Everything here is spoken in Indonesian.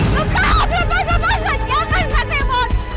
lepas lepas lepas lepas jangan kasih emos